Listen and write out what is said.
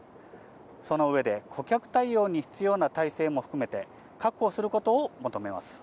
その上で、顧客対応に必要な体制も含めて、確保することを求めます。